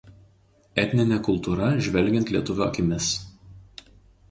etninė kultūra žvelgiant lietuvio akimis